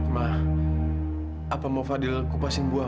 mah apa mau fadil kupasin buah